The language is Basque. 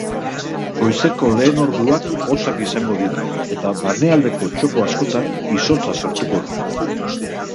Goizeko lehen orduakhotzak izango dira eta barnealdeko txoko askotan izotza sortuko da.